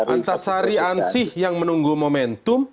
antasari ansih yang menunggu momentum